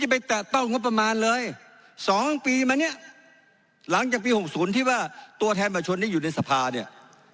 หลังจากปี๖๐ที่ว่าตัวแทนประชุมนี้อยู่ในสภาเนี่ย